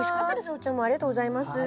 お茶もありがとうございます。